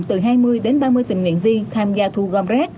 từ hai mươi đến ba mươi tình nguyện viên tham gia thu gom rác